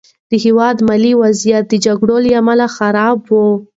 د هېواد مالي وضعیت د جګړو له امله خراب و.